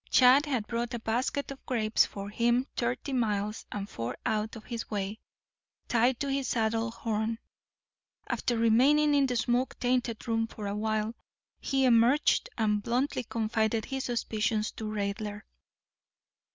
Chad had brought a basket of grapes for him thirty miles, and four out of his way, tied to his saddle horn. After remaining in the smoke tainted room for a while, he emerged and bluntly confided his suspicions to Raidler.